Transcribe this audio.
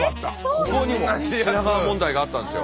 ここにも品川問題があったんですよ。